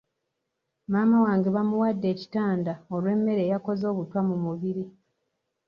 Maama wange bamuwadde ekitanda olw'emmere eyakoze obutwa mu mubiri.